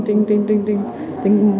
thì mình phải lên trinh trinh trinh trinh